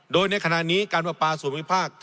โดยในขณะนี้การประปาส่วนภูมิภาค